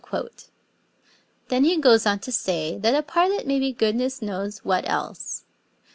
Then he goes on to say that a partlet may be goodness knows what else.